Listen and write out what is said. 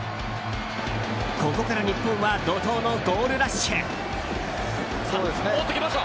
ここから日本は怒涛のゴールラッシュ！